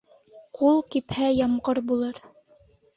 Ҡул кипһә, ямғыр булыр.